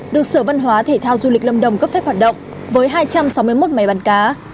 được sở văn hóa thể thao du lịch lâm đồng cấp phép hoạt động với hai trăm sáu mươi một máy bán cá